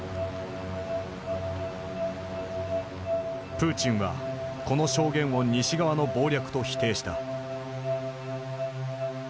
プーチンはこの証言を西側の謀略と否定した。